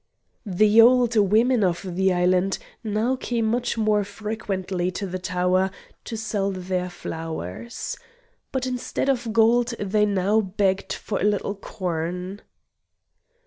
The old women of the island now came much more frequently to the tower to sell their flowers. But instead of gold they now begged for a little corn.